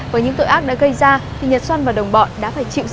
với những tội ác đã gây ra thì nhật xuân và đồng bọn đã phải chịu sự trừng